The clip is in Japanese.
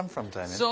そう。